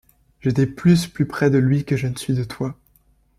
J’étais plus plus près de lui que je ne suis de toi.